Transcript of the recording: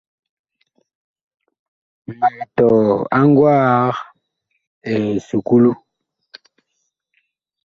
Mag tɔɔ a ngwaag esukulu.